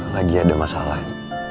lagi ada masalah